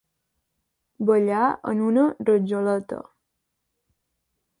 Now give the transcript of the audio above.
Ballar en una rajoleta.